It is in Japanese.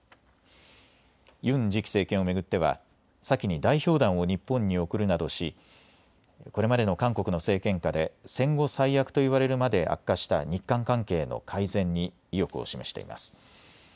ユン次期政権を巡っては先に代表団を日本に送るなどしこれまでの韓国の政権下で戦後最悪と言われるまで悪化した日韓関係の改善に意欲を示しています。